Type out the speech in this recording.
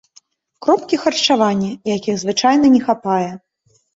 Кропкі харчавання, якіх звычайна не хапае.